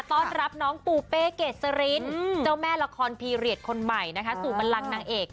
ต้อนรับน้องปูเป้เกษรินเจ้าแม่ละครพีเรียสคนใหม่นะคะสู่บันลังนางเอก